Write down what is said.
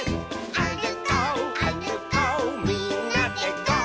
「あるこうあるこうみんなでゴー！」